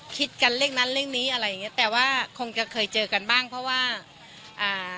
คิดกันเลขนั้นเลขนี้อะไรอย่างเงี้แต่ว่าคงจะเคยเจอกันบ้างเพราะว่าอ่า